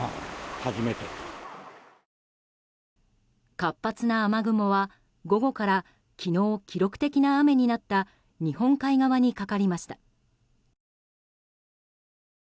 活発な雨雲は午後から昨日、記録的な雨になった日本海側にかかりました。